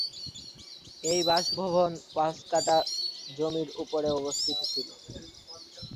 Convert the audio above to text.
এই বাসভবন পাঁচ কাঠা জমির উপরে অবস্থিত ছিল।